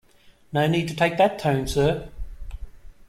No need to take that tone sir.